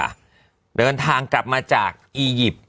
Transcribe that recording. เดินทางกลับมาจากอียิปต์